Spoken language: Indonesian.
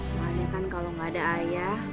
maksudnya kan kalau gak ada ayah